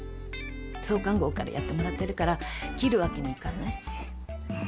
創刊号からやってもらってるから切るわけにいかないし。